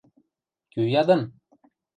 — Кӱ ядын?